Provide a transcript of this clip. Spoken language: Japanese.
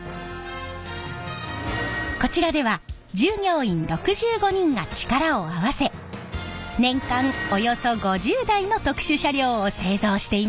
こちらでは従業員６５人が力を合わせ年間およそ５０台の特殊車両を製造しています！